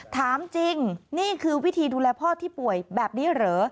ถามจริงนี่คือวิธีดูแลพ่อที่ป่วยแบบนี้เหรอ